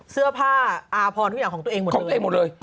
เสื้อผ้าอ้าวพอนทุกอย่างของตุ๊กเองหมดเลย